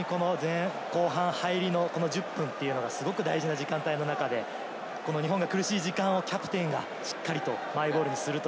後半入りの１０分がすごく大事な時間帯なので、日本が苦しい時間をキャプテンがしっかりとマイボールにする。